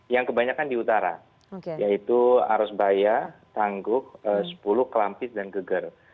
yang kebanyakan di utara yaitu arusbaya tangguh sepuluh kelampis dan geger